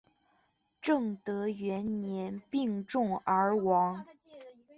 正德元年病重而亡。